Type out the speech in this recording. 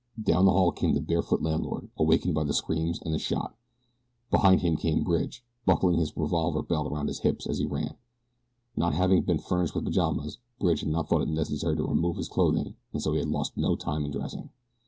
Down the hall came the barefoot landlord, awakened by the screams and the shot. Behind him came Bridge, buckling his revolver belt about his hips as he ran. Not having been furnished with pajamas Bridge had not thought it necessary to remove his clothing, and so he had lost no time in dressing.